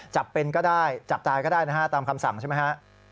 จับเป็นก็ได้จับตายก็ได้นะฮะตามคำสั่งใช่ไหมฮะ